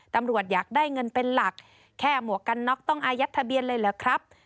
ตำรวจอยากได้เงินเป็นหลักแค่หมวกกันน็อกต้องอายัดทะเบียนเลยเหรอครับ